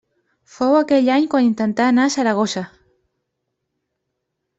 Fou aquell any quan intentà anar a Saragossa.